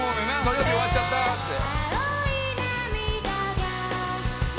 「土曜日終わっちゃったって」